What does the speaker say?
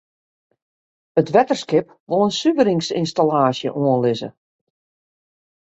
It wetterskip wol in suveringsynstallaasje oanlizze.